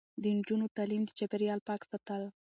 د نجونو تعلیم د چاپیریال پاک ساتل دي.